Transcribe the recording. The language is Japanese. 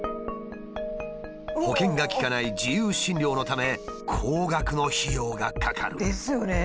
保険が利かない自由診療のため高額の費用がかかる。